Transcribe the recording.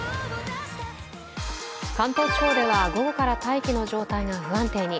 関東地方では午後から大気の状態が不安定に。